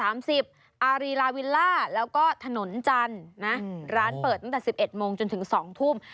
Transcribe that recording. อารีลาวิลล่าแล้วก็ถนนจันทร์นะร้านเปิดตั้งแต่๑๑โมงจนถึง๒ทุ่ม